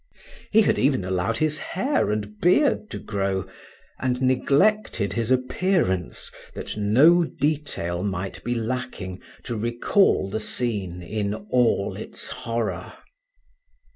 He had even allowed his hair and beard to grow, and neglected his appearance, that no detail might be lacking to recall the scene in all its horror.